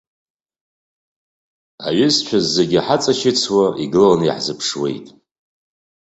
Аҩызцәа зегьы ҳаҵашьыцуа, игыланы иҳазԥшуеит.